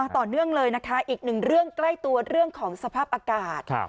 ต่อเนื่องเลยนะคะอีกหนึ่งเรื่องใกล้ตัวเรื่องของสภาพอากาศ